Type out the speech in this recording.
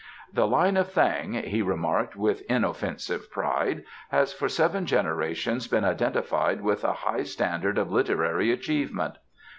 "The Line of Thang," he remarked with inoffensive pride, "has for seven generations been identified with a high standard of literary achievement.